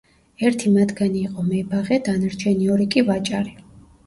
ერთი მათგანი იყო მებაღე, დანარჩენი ორი კი ვაჭარი.